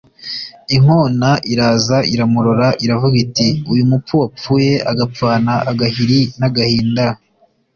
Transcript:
Inkona iraza iramurora, iravuga iti « uyu mupfu wapfuye agapfana agahiri n'agahinda